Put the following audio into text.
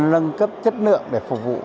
và nâng cấp chất lượng để phục vụ